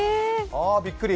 びっくり！